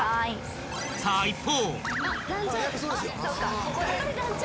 ［さあ一方］